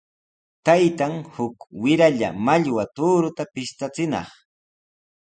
Taytan uk wiralla mallwa tuuruta pishtachinaq.